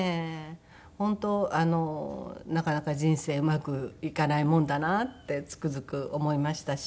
本当なかなか人生うまくいかないもんだなってつくづく思いましたし。